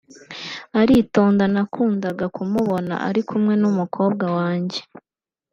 aritonda nakundaga kumubona ari kumwe n’umukobwa wanjye